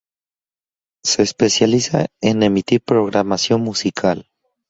Se especializa en emitir programación musical.